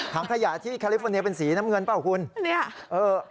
ถังขยะที่แคลิฟอร์เนียเป็นสีน้ำเงินเปล่าหรือคุณ